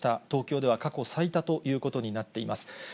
東京では過去最多ということになっています。